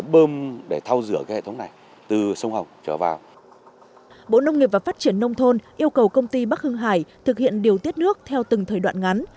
bộ nông nghiệp và phát triển nông thôn yêu cầu công ty bắc hưng hải thực hiện điều tiết nước theo từng thời đoạn ngắn